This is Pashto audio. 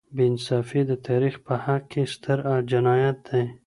بې انصافي د تاریخ په حق کي ستر جنایت دی.